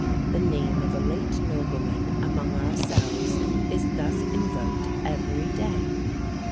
The name of a late nobleman among ourselves is thus invoked every day.